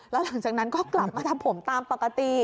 แล้วหลังจากนั้นก็กลับมาทำผมตามปกติ